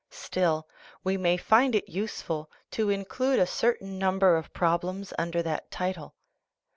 Still, we may find it useful to include a certain number of problems under that title.